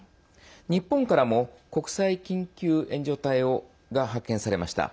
日本からも国際緊急援助隊が派遣されました。